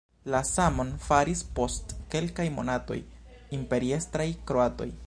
La samon faris post kelkaj monatoj imperiestraj kroatoj.